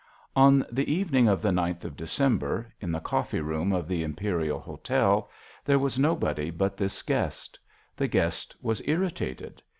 On the evening of the gth of December, in the coffee room of the Imperial Hotel, there was nobody but this guest. The guest was irritated.